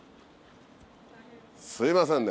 すいませんね